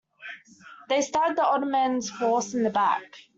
They stabbed the Ottoman forces in the back.